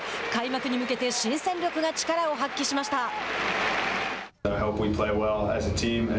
開幕に向けて新戦力が力を発揮しました。